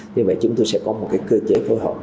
như vậy chúng tôi sẽ có một cơ chế phối hợp